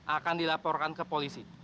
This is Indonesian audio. akan dilaporkan ke polisi